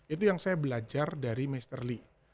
itu yang saya belajar dari mr lee